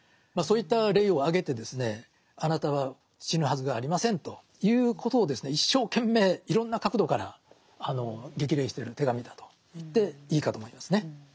そういった例を挙げてですねあなたは死ぬはずがありませんということをですね一生懸命いろんな角度から激励してる手紙だと言っていいかと思いますね。